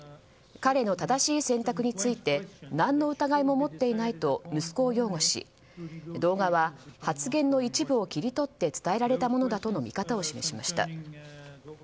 彼の正しい選択について何の疑いも持っていないと息子を擁護し動画は発言の一部を切り取って伝えられたものだとの見方を示しました。